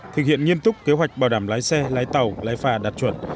thực hiện nghiêm túc kế hoạch bảo đảm lái xe lái tàu lái phà đạt chuẩn